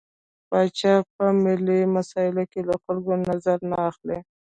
پاچا په ملي مسايلو کې له خلکو نظر نه اخلي.